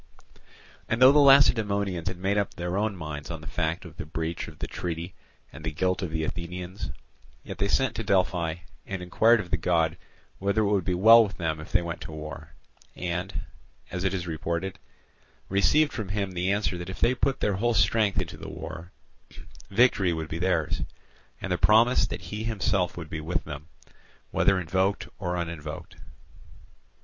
And though the Lacedaemonians had made up their own minds on the fact of the breach of the treaty and the guilt of the Athenians, yet they sent to Delphi and inquired of the God whether it would be well with them if they went to war; and, as it is reported, received from him the answer that if they put their whole strength into the war, victory would be theirs, and the promise that he himself would be with them, whether invoked or uninvoked.